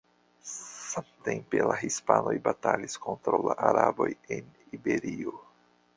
Samtempe, la hispanoj batalis kontraŭ la araboj en Iberio.